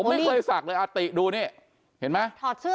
ผมไม่เคยศักด์เลยอ่าติดูนี้เห็นไหม